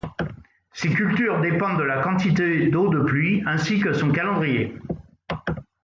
Ces cultures dépendent de la quantité d'eau de pluie ainsi que son calendrier.